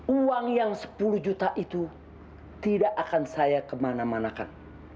uang yang sepuluh juta itu tidak akan saya kemanamanakan